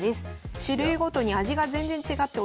種類ごとに味が全然違って驚きました。